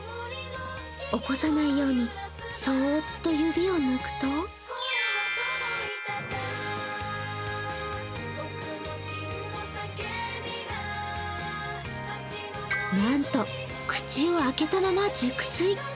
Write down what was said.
起こさないようにそーっと指を抜くとなんと口を開けたまま熟睡。